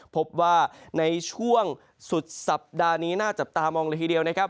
พบว่าในช่วงสุดสัปดาห์นี้น่าจับตามองเลยทีเดียวนะครับ